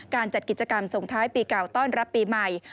จัดกิจกรรมส่งท้ายปีเก่าต้อนรับปีใหม่